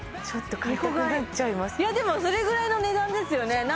ちょっと買いたくなっちゃいますでもそれぐらいの値段ですよね